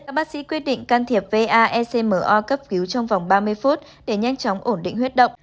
các bác sĩ quyết định can thiệp vaecmo cấp cứu trong vòng ba mươi phút để nhanh chóng ổn định huyết động